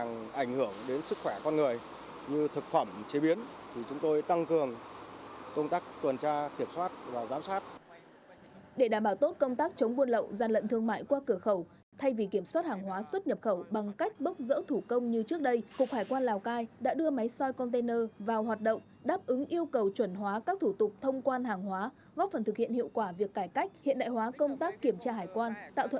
góp phần thực hiện hiệu quả việc cải cách hiện đại hóa công tác kiểm tra hải quan tạo thuận lợi tối đa cho hoạt động xuất nhập khẩu và kiểm soát hàng hóa